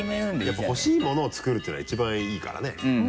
やっぱほしいものを作るっていうが一番いいからね。